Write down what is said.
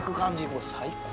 これ最高。